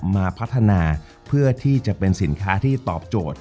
มาพัฒนาเพื่อที่จะเป็นสินค้าที่ตอบโจทย์